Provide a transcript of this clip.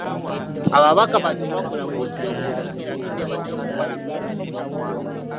Ababaka bakyewaggula kkooti y'oku ntikko eragidde baddeyo mu paalamenti.